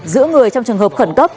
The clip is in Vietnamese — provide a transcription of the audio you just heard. giữ người trong trường hợp khẩn cấp